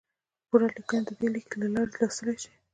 پوره لیکنه د دې لینک له لارې لوستی شئ!